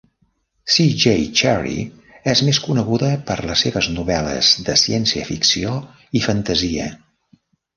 C. J. Cherryh és més coneguda per les seves novel·les de ciència ficció i fantasia.